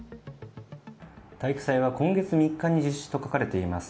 体育祭は今月３日に実施と書かれています。